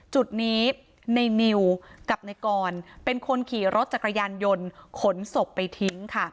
จุดนี้ในนิวกับในกรเป็นคนขี่รถจักรยานยนต์ขนศพไปทิ้งค่ะ